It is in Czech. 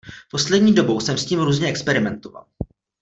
Poslední dobou jsem s tím různě experimentoval.